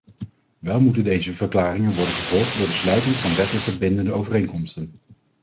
Wel moeten deze verklaringen worden gevolgd door de sluiting van wettelijk bindende overeenkomsten.